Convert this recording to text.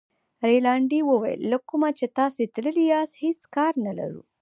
رینالډي وویل له کومه چې تاسي تللي یاست هېڅ کار نه لرو.